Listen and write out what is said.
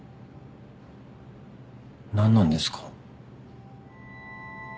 何なんですか？